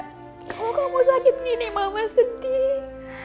kalau kamu sakit begini mama sedih